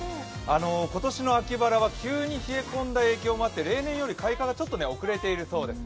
今年の秋バラは急に冷え込んだ影響もあって例年より開花がちょっと遅れているようです。